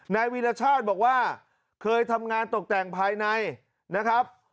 นายวีรชาติบอกว่าเคยทำงานตกแต่งภายในนะครับ